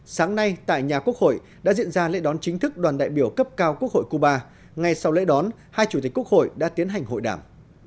sáng nay tại nhà quốc hội đã diễn ra lễ đón chính thức đoàn đại biểu cấp cao quốc hội cuba ngay sau lễ đón hai chủ tịch quốc hội đã tiến hành hội đảng